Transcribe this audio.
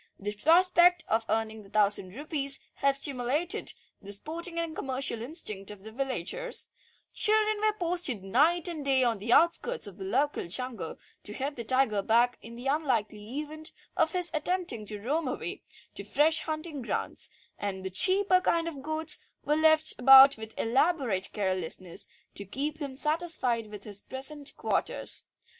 The prospect of earning the thousand rupees had stimulated the sporting and commercial instinct of the villagers; children were posted night and day on the outskirts of the local jungle to head the tiger back in the unlikely event of his attempting to roam away to fresh hunting grounds, and the cheaper kinds of goats were left about with elaborate carelessness to keep him satisfied with his present quarters.